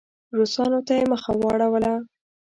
روسانو ته یې مخ واړاوه.